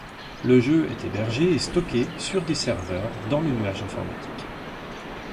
Le jeu est hébergé et stocké sur des serveurs dans le nuage informatique.